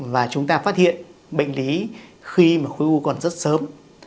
và chúng ta phát hiện bệnh lý khi mà khối u còn rất sớm